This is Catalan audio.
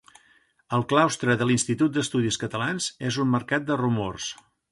El claustre de l'Institut d'Estudis Catalans és un mercat de rumors.